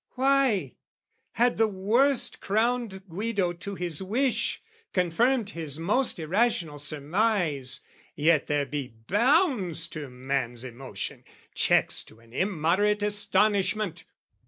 Why, had the worst crowned Guido to his wish, Confirmed his most irrational surmise, Yet there be bounds to man's emotion, checks To an immoderate astonishment.